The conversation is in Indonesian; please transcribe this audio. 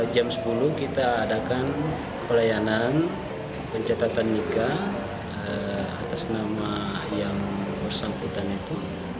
jam sepuluh kita adakan pelayanan pencatatan nikah atas nama yang bersangkutan itu